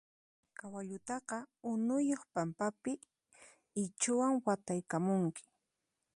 Kawallutaqa unuyuq pampapi ichhuman wataykamunki.